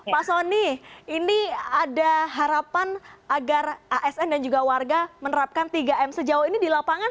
pak soni ini ada harapan agar asn dan juga warga menerapkan tiga m sejauh ini di lapangan